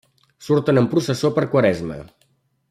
Surten en processó per Quaresma.